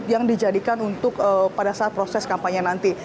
yang dijadikan untuk pada saat proses kampanye nanti